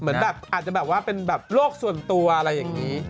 เหมือนแบบอาจจะแบบว่าเป็นแบบโลกส่วนตัวอะไรอย่างนี้